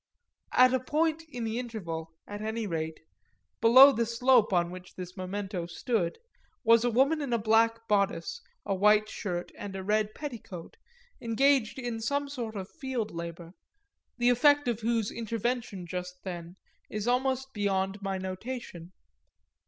At a point in the interval, at any rate, below the slope on which this memento stood, was a woman in a black bodice, a white shirt and a red petticoat, engaged in some sort of field labour, the effect of whose intervention just then is almost beyond my notation.